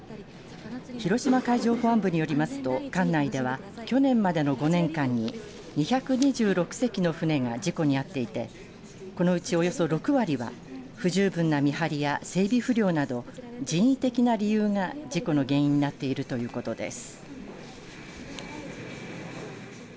広島海上保安部によりますと管内では去年までの５年間に２２６隻の船が事故に遭っていてこのうちおよそ６割は不十分な見張りや整備不良など人為的な理由が事故の原因になっているということです。